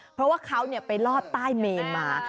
เพราะว่าเขาไปลอดใต้เมนมา